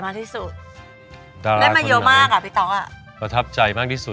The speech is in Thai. ข้างนอกก็แบบประทับใจมากที่สุด